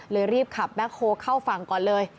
รีบขับแบ็คโฮเข้าฝั่งก่อนเลย